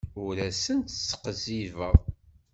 Ur asent-sqizzibeɣ.